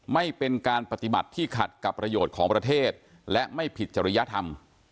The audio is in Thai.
ไม่เป็นการปฏิบัติที่ขัดกับประโยชน์ของประเทศและไม่ผิดจริยธรรม